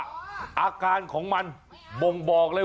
มาครั้งนี้มันจะมากินกินขนุนครับ